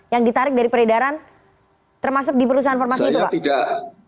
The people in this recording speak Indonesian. yang ditarik dari peredaran termasuk di perusahaan farmasi itu pak